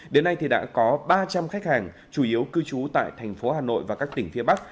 đến nay thì đã có ba trăm linh khách hàng chủ yếu cư trú tại thành phố hà nội và các tỉnh phía bắc